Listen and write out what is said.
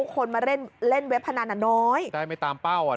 คนมาเล่นเล่นเว็บพนันอ่ะน้อยได้ไม่ตามเป้าอ่ะ